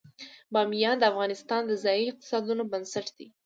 بامیان د افغانستان د ځایي اقتصادونو بنسټ دی.